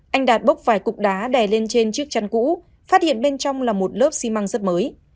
anh đạt bốc vài cục đá đè lên trên chiếc chăn cũ phát hiện bên trong là một lớp xi măng rất mới